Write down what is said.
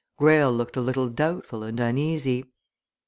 Greyle looked a little doubtful and uneasy.